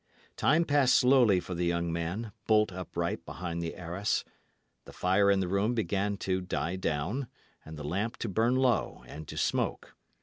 Time passed slowly for the young man, bolt upright behind the arras. The fire in the room began to die down, and the lamp to burn low and to smoke.